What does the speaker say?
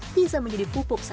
bisa menjadi pupuk sehat